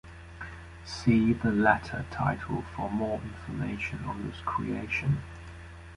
See the latter title for more information on this creation.